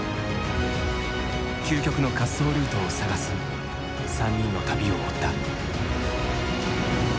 究極の滑走ルートを探す３人の旅を追った。